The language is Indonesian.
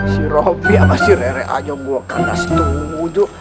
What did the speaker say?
si robby sama si rere aja buah kandas tuh